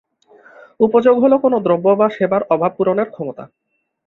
উপযোগ হল কোন দ্রব্য বা সেবার অভাব পূরণের ক্ষমতা।